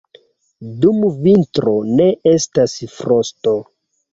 Dum vintro ne estas frosto.